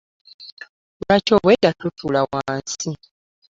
Lwaki obweda totuula wansi?